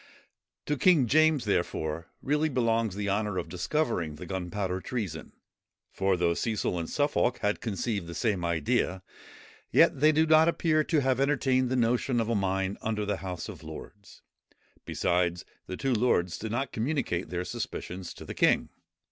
To King James, therefore, really belongs the honour of discovering the gunpowder treason; for, though Cecil and Suffolk had conceived the same idea, yet they do not appear to have entertained the notion of a mine under the House of Lords. Besides, the two lords did not communicate their suspicions to the king.